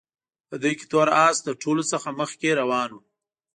په دوی کې تور اس له ټولو څخه مخکې روان وو.